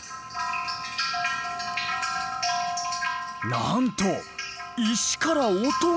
なんと石から音が！